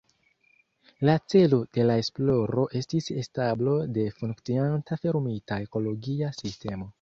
La celo de la esploro estis establo de funkcianta fermita ekologia sistemo.